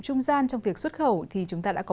trung gian trong việc xuất khẩu thì chúng ta đã có